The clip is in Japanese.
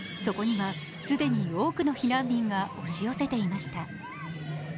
そこには、既に多くの避難民が押し寄せていました。